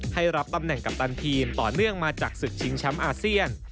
รับตำแหน่งกัปตันทีมต่อเนื่องมาจากศึกชิงแชมป์อาเซียน